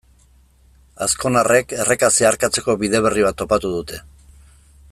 Azkonarrek erreka zeharkatzeko bide berri bat topatu dute.